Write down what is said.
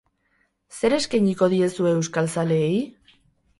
Zer eskainiko diezue euskal zaleei?